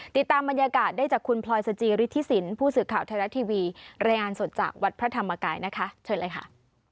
ติดตามบรรยากาศได้จากคุณพลอยสจิฤทธิสินผู้สื่อข่าวไทยรัฐทีวีรายงานสดจากวัดพระธรรมกายนะคะเชิญเลยค่ะ